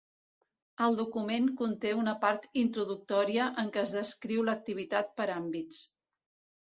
El document conté una part introductòria en què es descriu l'activitat per àmbits.